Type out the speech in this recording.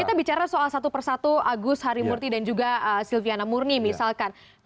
jadi kalau satu persatu agus hari murti dan juga silviana murni misalkan